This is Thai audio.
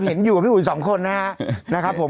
เห็นอยู่กับพี่อุ๋ยสองคนนะครับผม